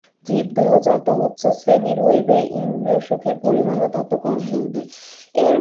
জীবদেহ যত উচ্চশ্রেণীর হইবে, ইন্দ্রিয়সুখের পরিমাণও তত কম হইবে।